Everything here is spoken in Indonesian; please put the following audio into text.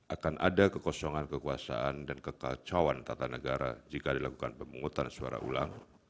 akan ada kekosongan kekuasaan dan kekacauan tata negara jika dilakukan pemungutan suara ulang